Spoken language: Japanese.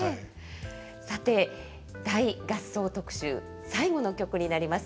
さて大合奏特集最後の曲になります。